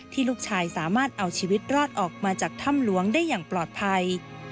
ลูกชายสามารถเอาชีวิตรอดออกมาจากถ้ำหลวงได้อย่างปลอดภัย